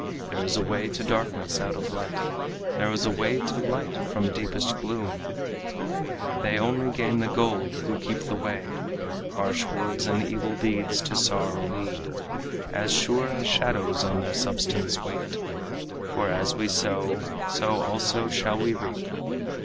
"There is a way to darkness out of light, There is a way to light from deepest gloom. They only gain the goal who keep the way. Harsh words and evil deeds to sorrow lead As sure as shadows on their substance wait. For as we sow, so also shall we reap.